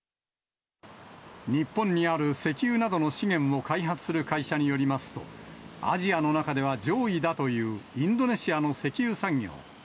日本にある石油などの資源を開発する会社によりますと、アジアの中では上位だというインドネシアの石油産業。